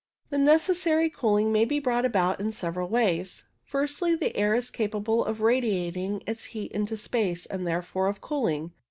The necessary cooling may be brought about in several ways. Firstly, the air is capable of radiating its heat into space, and therefore of cooling.